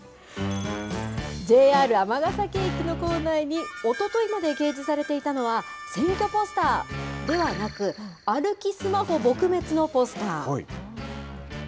ＪＲ尼崎駅の構内におとといまで掲示されていたのは、選挙ポスター、ではなく、歩きスマホ撲滅のポスター。